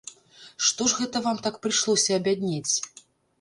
Што ж гэта вам так прыйшлося абяднець?